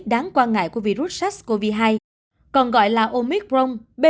đáng quan ngại của virus sars cov hai còn gọi là omicron b